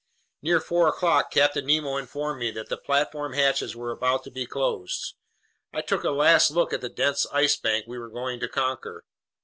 Near four o'clock Captain Nemo informed me that the platform hatches were about to be closed. I took a last look at the dense Ice Bank we were going to conquer.